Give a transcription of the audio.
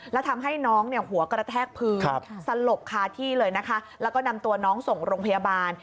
แล้วทำให้น้องเนี่ยหัวกระแทกพื้นสลบคาที่เลยนะคะแล้วก็นำตัวน้องส่งโรงพยาบาล